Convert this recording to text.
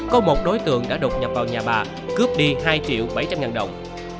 có một đối tượng đã đột nhập vào nhà bà cướp đi hai triệu bảy trăm linh ngàn đồng